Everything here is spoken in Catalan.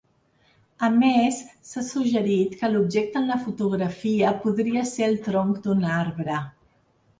A més, s'ha suggerit que l'objecte en la fotografia podria ser el tronc d'un arbre.